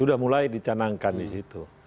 sudah mulai dicanangkan di situ